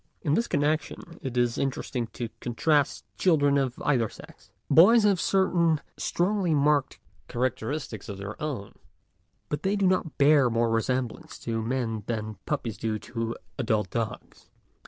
In this connection it is interesting to contrast children of either sex. Boys have certain strongly marked characteristics of their own, but they do not bear more re semblance to men than puppies do to adult dogs.